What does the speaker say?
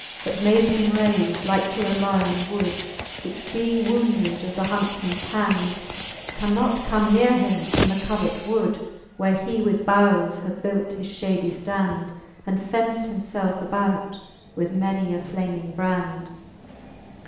That made him rave, like to a lyon wood. Which being wounded of the huntfman's hand. Can not come neare him in the covert wood. Where he "with boughes hath built his ftiady ftand, And fenft himfelfe about with many a flaming brand.